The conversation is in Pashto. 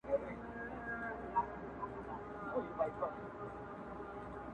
رنګ د جهاني د غزل میو ته لوېدلی دی!.